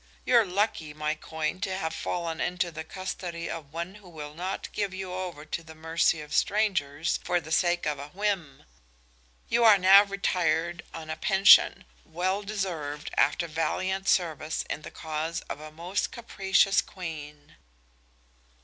You're lucky, my coin, to have fallen into the custody of one who will not give you over to the mercy of strangers for the sake of a whim. You are now retired on a pension, well deserved after valiant service in the cause of a most capricious queen."